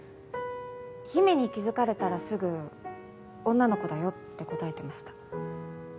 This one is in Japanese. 姫に気付かれたらすぐ女の子だよって答えてました。